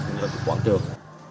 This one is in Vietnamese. như quảng trường